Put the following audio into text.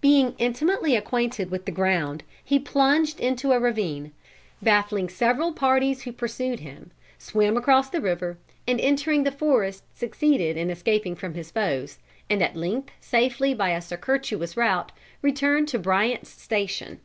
Being intimately acquainted with the ground, he plunged into a ravine, baffling several parties who pursued him, swam across the river, and entering the forest succeeded in escaping from his foes, and at length safely by a circuitous route returned to Bryant's Station.